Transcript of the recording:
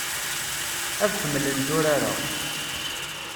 Ad ḥemmlent urar-a.